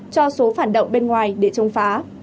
cho số phản động bên ngoài để trông phá